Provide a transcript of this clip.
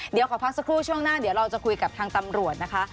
เดี๋ยวขอพักสักครู่ช่วงหน้าเดี๋ยวเราจะคุยกับทางตำรวจนะคะ